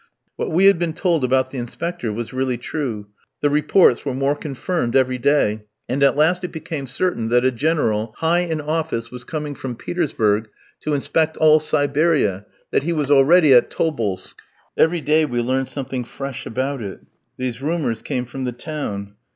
What we had been told about the Inspector was really true. The reports were more confirmed every day; and at last it became certain that a General, high in office, was coming from Petersburg to inspect all Siberia, that he was already at Tobolsk. Every day we learned something fresh about it. These rumours came from the town.